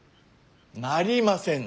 なりませぬ。